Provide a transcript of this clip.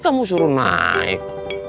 kamu suruh naik